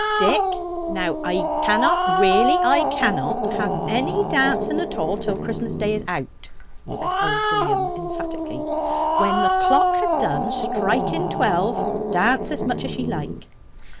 "Dick! Now I cannot really, I cannot have any dancing at all till Christmas day is out," said old William emphatically. "When the clock ha' done striking twelve, dance as much as ye like."